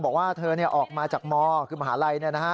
บอกว่าเธอออกมาจากมคือมหาลัย